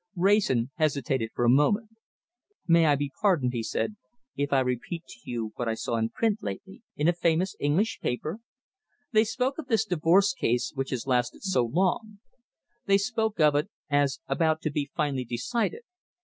Wrayson hesitated for a moment. "May I be pardoned," he said, "if I repeat to you what I saw in print lately in a famous English paper? They spoke of this divorce case which has lasted so long; they spoke of it as about to be finally decided.